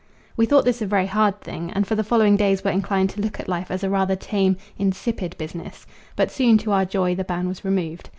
We thought this a very hard thing, and for the following days were inclined to look at life as a rather tame, insipid business; but soon, to our joy, the ban was removed.